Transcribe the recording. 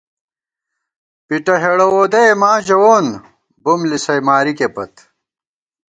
پِٹہ ہېڑہ وودَئےماں ژَوون بُم لِسَئےمارِکےپت